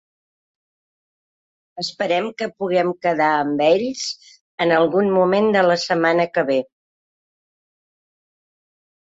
Esperem que puguem quedar amb ells en algun moment de la setmana que ve.